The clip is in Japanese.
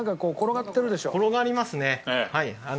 転がりますね。